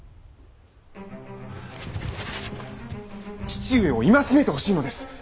父上を戒めてほしいのです。